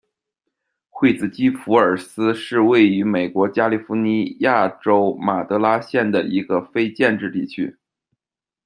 惠斯基福尔斯是位于美国加利福尼亚州马德拉县的一个非建制地区。